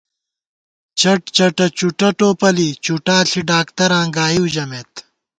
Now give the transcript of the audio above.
چٹ چَٹہ چُٹہ ٹوپَلی، چُٹا ݪی ڈاکتراں گائیؤ ژَمېت